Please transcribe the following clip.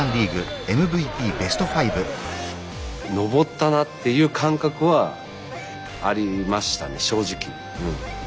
すごいな。っていう感覚はありましたね正直。